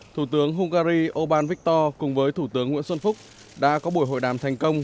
thủ tướng hungary oban viktor cùng với thủ tướng nguyễn xuân phúc đã có buổi hội đàm thành công